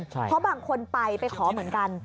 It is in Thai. เพราะบางคนไปไปขอเหมือนกัน